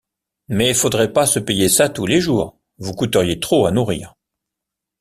Mais faudrait pas se payer ça tous les jours, vous coûteriez trop à nourrir.